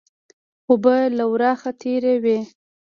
اوبه له ورخه تېرې وې